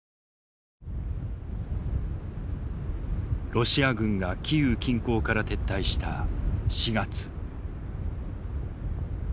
ロシア軍がキーウ近郊から撤退した４月。